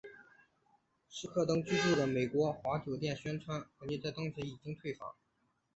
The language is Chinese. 斯诺登居住的美丽华酒店宣布斯诺登在当日已经退房。